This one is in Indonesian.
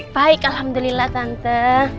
baik alhamdulillah tante